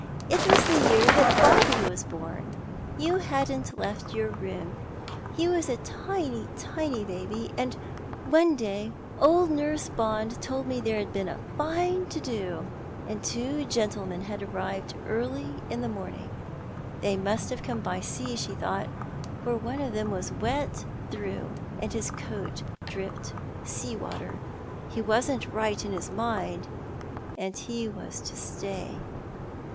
" It was the year Bobby was born. You hadn't left your room — he was a tiny, tiny baby — aiul one day old nurse Bond told me therc'd been a fine to do, and two gentlemen had arrived early in the morning — they must have come by sea, she thought — for one of them was wet through, and his coat dripped sea water. He Avasn't right in his mind, and he was to stay."